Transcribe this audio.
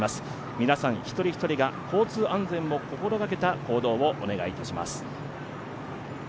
皆さん、一人ひとりが交通安全を心がけた行動をお願いいたします。